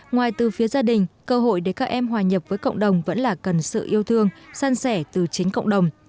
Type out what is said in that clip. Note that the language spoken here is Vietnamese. ngoài từ phía gia đình cơ hội để các em hòa nhập với cộng đồng vẫn là cần sự yêu thương san sẻ từ chính cộng đồng